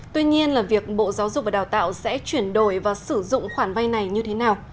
tuy nhiên là việc bộ giáo dục và đào tạo sẽ chuyển đổi và sử dụng khoản vay này như thế nào